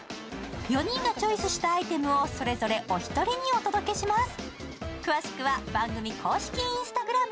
４人がチョイスしたアイテムをそれぞれお一人にお届けします。